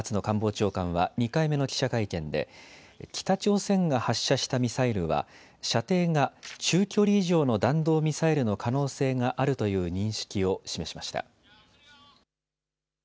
松野官房長官は２回目の記者会見で北朝鮮が発射したミサイルは射程が中距離以上の弾道ミサイルの可能性があるという認識を示しました。